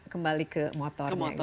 kembali ke motor